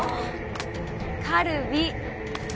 カルビ。